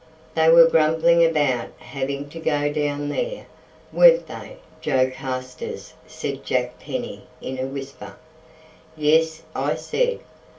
"They were grumbling about having to go down there, weren't they, Joe Carstairs," said Jack Penny in a whisper. "Yes," I said.